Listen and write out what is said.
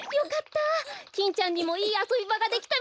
キンちゃんにもいいあそびばができたみたいです。